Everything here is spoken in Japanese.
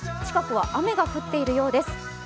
近くは雨が降っているようです。